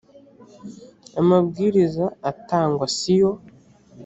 amabwiriza atangwa siyo